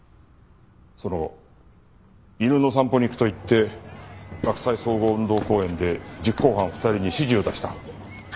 その後犬の散歩に行くと言って洛西総合運動公園で実行犯２人に指示を出した。